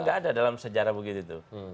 gak ada dalam sejarah begitu